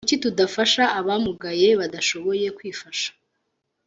Kuki tudafasha aba mugaye badashoboye kw’ ifasha